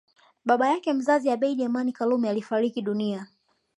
Baba yake mzazi Abeid Amani Karume alifariki dunia